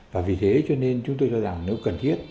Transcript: và vì thế cho nên chúng tôi cho rằng nếu cần thiết